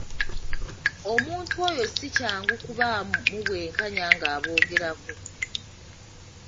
Omuntu oyo si kyangu kubaamu bwenkanya ng'aboogerako.